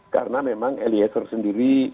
karena memang eliezer sendiri